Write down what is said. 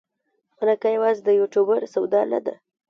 مرکه یوازې د یوټوبر سودا نه ده.